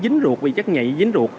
và nó vượt quá cái màn hình xô âm